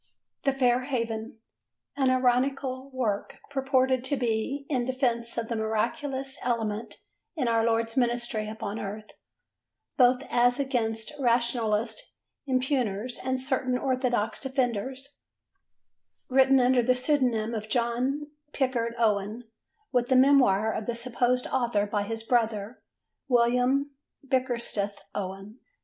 The Fair Haven: an ironical work, purporting to be "in defence of the miraculous element in our Lord's ministry upon earth, both as against rationalistic impugners and certain orthodox defenders," written under the pseudonym of John Pickard Owen with a memoir of the supposed author by his brother William Bickersteth Owen.